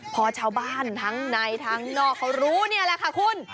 พอชาวบ้านทั้งในทั้งนอกเขารู้นี่แหละค่ะคุณ